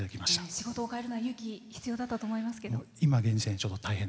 仕事を変えるのは勇気が必要だったと思いますけど。